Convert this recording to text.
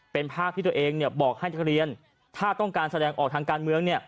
เป็นภาพที่ตัวเองบอกให้นักเรียนถ้าต้องการแสดงออกทางการเมือง